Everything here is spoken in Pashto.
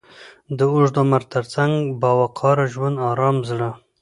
د اوږد عمر تر څنګ، با وقاره ژوند، ارام زړه،